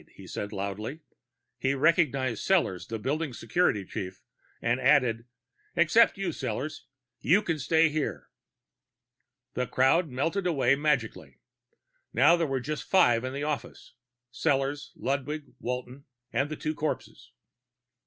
he said loudly. He recognized Sellors, the building's security chief, and added, "Except you, Sellors. You can stay here." The crowd melted away magically. Now there were just five in the office Sellors, Ludwig, Walton, and the two corpses.